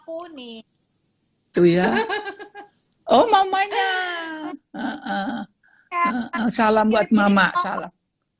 oh ya oh mamanya salam buat mama salam